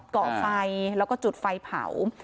เกาะไฟแล้วก็จุดไฟเผา